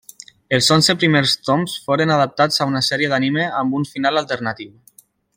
Els onze primers toms foren adaptats a una sèrie d'anime amb un final alternatiu.